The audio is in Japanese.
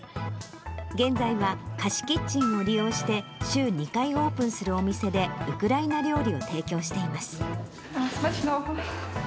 現在は、貸しキッチンを利用して、週２回オープンするお店で、ウクライナ料理を提供しています。